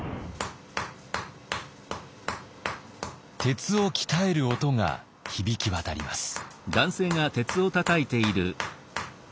鉄を鍛える音が響き渡ります。